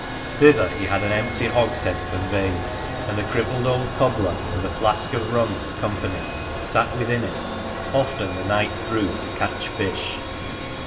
Thither he had an empty hogshead conveyed, and the crippled old cobbler, with a flask of rum for company, sat within it, often the night through, to catch fish.